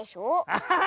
アッハハ！